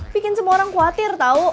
bikin semua orang khawatir tau